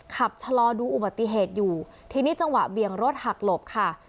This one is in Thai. ขับชะลอดูอุบัติเหตุอยู่ทีนี้จังหวะเบี่ยงรถหักหลบค่ะ